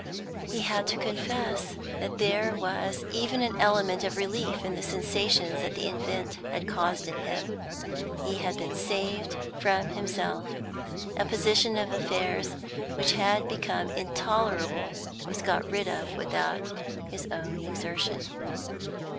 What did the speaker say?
He had to confess that there was even an element of relief in the sensations the event had caused in him. He had been saved from himself; a position of affairs which had become intolerable was got rid of without his own exertion.